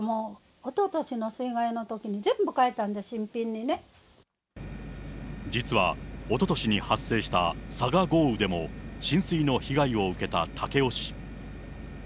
おととしの水害のときに、全部変実はおととしに発生した佐賀豪雨でも、浸水の被害を受けた武雄市。